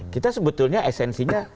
kita sebetulnya esensinya